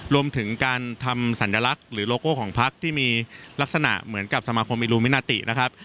รวมถึงการทำสัญลักษณ์หรือโลโก้ของพักที่มีลักษณะเหมือนกับสมาคมอิลูมินาตินะครับ